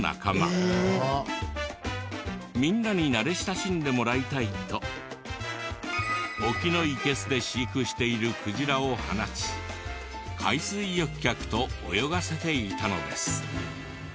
みんなに慣れ親しんでもらいたいと沖のいけすで飼育しているクジラを放ち海水浴客と泳がせていたのです。